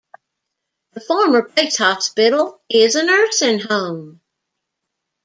The former base hospital is a nursing home.